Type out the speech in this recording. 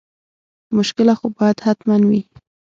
مشکله خو باید حتما وي.